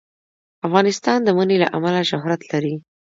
افغانستان د منی له امله شهرت لري.